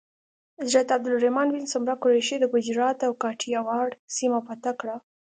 حضرت عبدالرحمن بن سمره قریشي د ګجرات او کاټیاواړ سیمه فتح کړه.